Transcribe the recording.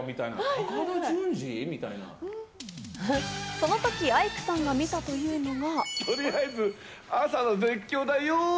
そのときアイクさんが見たというのが。